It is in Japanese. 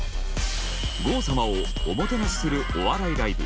郷様をおもてなしするお笑いライブ。